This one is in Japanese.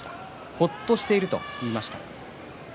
ほっとしていると話していました。